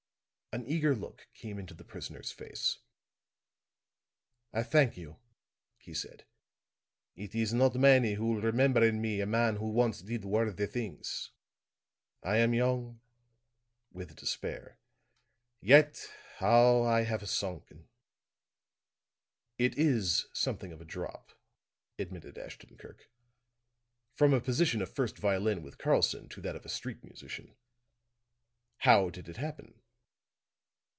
An eager look came into the prisoner's face. "I thank you," he said. "It is not many who will remember in me a man who once did worthy things. I am young," with despair, "yet how I have sunken." "It is something of a drop," admitted Ashton Kirk. "From a position of first violin with Karlson to that of a street musician. How did it happen?"